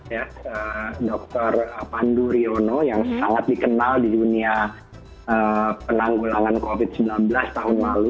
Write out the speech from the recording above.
ya dr pandu riono yang sangat dikenal di dunia penanggulangan covid sembilan belas tahun lalu